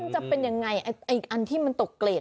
จะเป็นยังไงอันที่มันตกเกรด